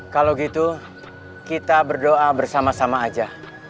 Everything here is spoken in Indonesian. kalau gitu kita berdoa bersama sama aja